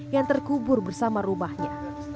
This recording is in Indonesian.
yang terkubur bersama rumahnya